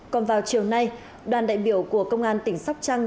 còn vào chiều nay đoàn đại biểu của công an tỉnh sóc trăng